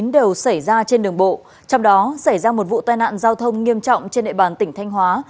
đều xảy ra trên đường bộ trong đó xảy ra một vụ tai nạn giao thông nghiêm trọng trên địa bàn tỉnh thanh hóa